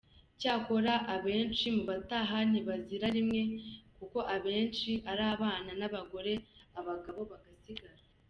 Cyakora abenshi mu bataha ntibazira rimwe kuko abenshi ari abana n’abagore, abagabo bagasigara.